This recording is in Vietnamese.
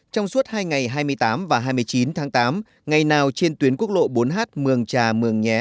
trong suốt hai ngày hai mươi tám và hai mươi chín tháng tám ngày nào trên tuyến quốc lộ bốn h mường trà mường nhé